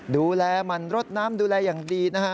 ดูแลมันรดน้ำดูแลอย่างดีนะฮะ